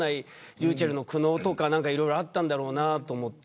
ｒｙｕｃｈｅｌｌの苦悩とかあったんだろうなと思って。